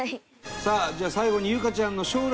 さあじゃあ最後にゆうかちゃんのはい。